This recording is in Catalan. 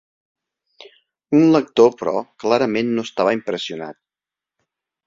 Un lector, però, clarament no estava impressionat.